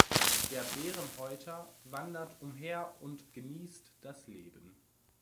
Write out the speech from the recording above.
Der Bärenhäuter wandert umher und genießt das Leben.